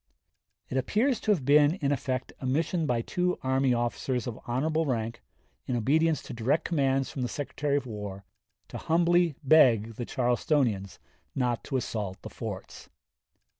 It appears to have been, in effect, a mission by two army officers of honorable rank, in obedience to direct commands from the Secretary of War, to humbly beg the Charlestonians not to assault the forts.